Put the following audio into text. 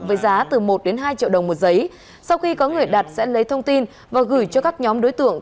với giá từ một hai triệu đồng một giấy sau khi có người đặt sẽ lấy thông tin và gửi cho các nhóm đối tượng